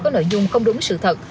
có nội dung không đúng sự thật